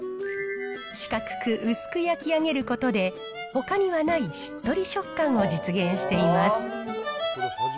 四角く薄く焼き上げることで、ほかにはないしっとり食感を実現しています。